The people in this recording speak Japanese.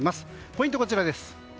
ポイントはこちら。